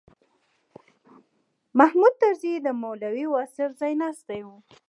محمود طرزي د مولوي واصف ځایناستی و.